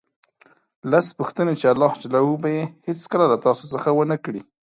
لس پوښتنې چې الله ج به یې هېڅکله له تاسو څخه ونه کړي